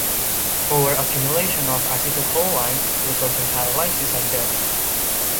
Over-accumulation of acetylcholine results in paralysis and death.